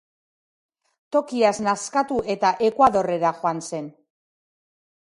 Tokiaz nazkatu eta Ekuadorrera joan zen.